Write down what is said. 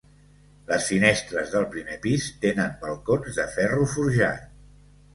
Les finestres del primer pis tenen balcons de ferro forjat.